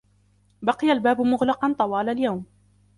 بقي الباب مغلقًا طوال اليوم.